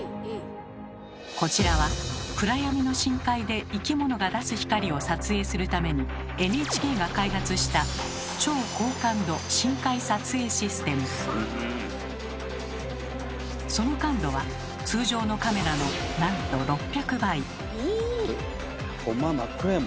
こちらは暗闇の深海で生き物が出す光を撮影するためにＮＨＫが開発したその感度は通常のカメラのなんと６００倍。え！